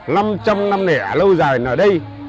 lâm trong năm nẻ lâu dài nở đây